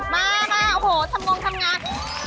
มาโอ้โฮสำงงทำงาน